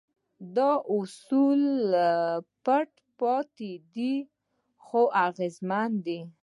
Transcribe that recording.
دا اصول لا پټ پاتې دي خو اغېزمن دي.